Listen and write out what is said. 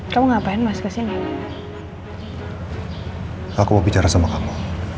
sampai jumpa di video selanjutnya